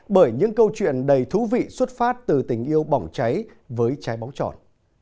bởi những câu chuyện đầy thú vị xuất phát từ tình yêu bỏng cháy với trái bóng tròn